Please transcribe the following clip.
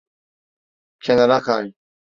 Kenara kay.